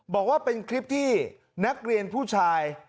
บอกว่าเป็นคลิปที่นักเรียนผู้ชาย